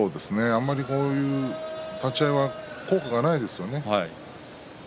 あまりこういう立ち合いは効果がないですよね。